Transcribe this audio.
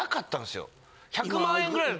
１００万円ぐらい。